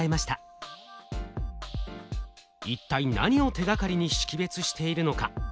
一体何を手がかりに識別しているのか？